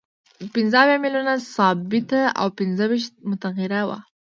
پنځه اویا میلیونه ثابته او پنځه ویشت متغیره وه